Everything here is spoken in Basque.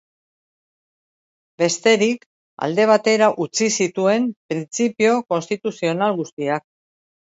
Bestetik, alde batera utzi zituen printzipio konstituzional guztiak.